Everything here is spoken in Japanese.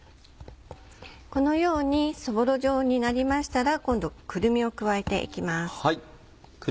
このようにそぼろ状になりましたら今度くるみを加えていきます。